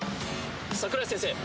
櫻井先生！